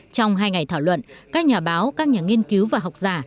trong hai ngày thảo luận các nhà báo các nhà nghiên cứu và học giả